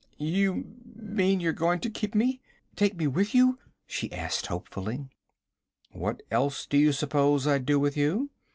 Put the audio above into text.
'You mean you're going to keep me? Take me with you?' she asked hopefully. 'What else do you suppose I'd do with you?'